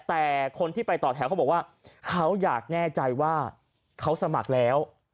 แต่คนที่ไปต่อแถวเขาบอกว่าเขาอยากแน่ใจว่าเขาสมัครแล้ว